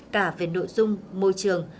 cả về nội dung môi trường